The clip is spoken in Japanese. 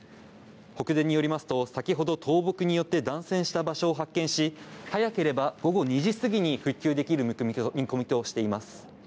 北電によりますと先ほど倒木によって断線した場所を発見し早ければ午後２時過ぎに復旧できる見込みとしています。